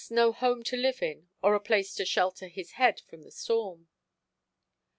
no home to live in or a place to shelter his head from the storm.